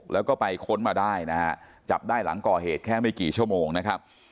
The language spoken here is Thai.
แล้วก็ไปค้นมาได้นะฮะจับได้หลังก่อเหตุแค่ไม่กี่ชั่วโมงนะครับ